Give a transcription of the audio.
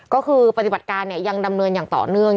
ก็คือปฏิบัติการเนี่ยยังดำเนินอย่างต่อเนื่อง